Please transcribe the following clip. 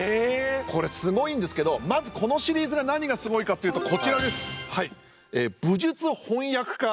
これすごいんですけどまずこのシリーズが何がすごいかっていうとこちらです。